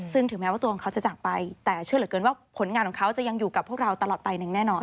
ซึ่งถึงแม้ว่าตัวของเขาจะจากไปแต่เชื่อเหลือเกินว่าผลงานของเขาจะยังอยู่กับพวกเราตลอดไปอย่างแน่นอน